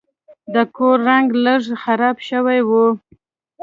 د کور رنګ لږ خراب شوی و.